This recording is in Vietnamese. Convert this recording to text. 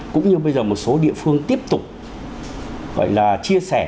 cũng như bây giờ một số địa phương tiếp tục gọi là chia sẻ